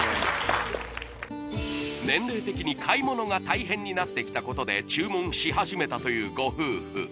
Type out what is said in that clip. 年齢的に買い物が大変になってきたことで注文し始めたというご夫婦